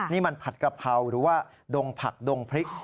นี่มันผัดกะเพราหรือว่าดงผักดงพริก